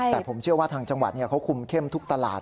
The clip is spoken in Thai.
แต่ผมเชื่อว่าทางจังหวัดเขาคุมเข้มทุกตลาด